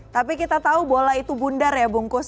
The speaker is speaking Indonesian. tapi kita tahu bola itu bundar ya bungkus